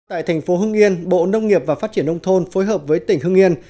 tại thành phố hưng yên bộ nông nghiệp và phát triển nông thôn phối hợp với tỉnh hưng yên